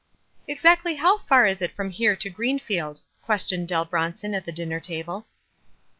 "Exactly how far is it from here to Green field?" questioned Dell Bronson at the dinner table.